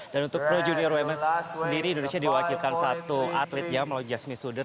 dan untuk pro junior women sendiri indonesia diwakilkan satu atletnya melalui jasmine suder